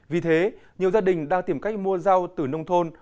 vì thế nhiều gia đình đang tìm cách mua rau từ nông thôn